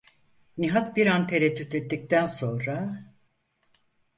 Nihat bir an tereddüt ettikten sonra: